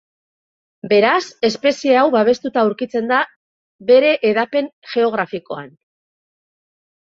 Beraz, espezie hau babestuta aurkitzen da bere hedapen geografikoan.